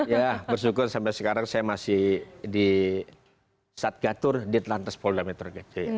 ya bersyukur sampai sekarang saya masih di satgatur di atlantis poludametro gk